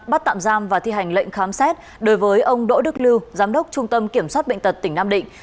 bắt tạm giam và thi hành lệnh khám xét đối với ông đỗ đức lưu giám đốc trung tâm kiểm soát bệnh tật tỉnh nam định